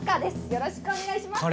よろしくお願いします